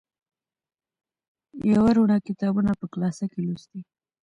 یوه روڼه کتابونه په کلاسه کې لوستي.